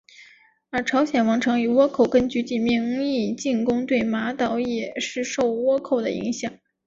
而朝鲜王朝以倭寇根据地名义进攻对马岛也是受到倭寇的影响。